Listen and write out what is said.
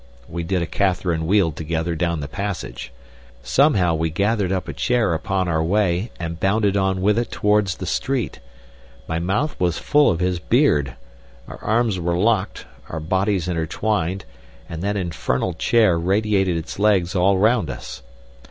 We did a Catharine wheel together down the passage. Somehow we gathered up a chair upon our way, and bounded on with it towards the street. My mouth was full of his beard, our arms were locked, our bodies intertwined, and that infernal chair radiated its legs all round us.